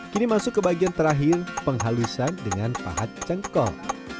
kini masuk ke bagian terakhir penghalusan dengan pahat cengkol